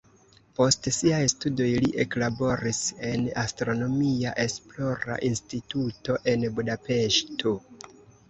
Post siaj studoj li eklaboris en astronomia esplora instituto en Budapeŝto.